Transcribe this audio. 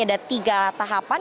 ada tiga tahapan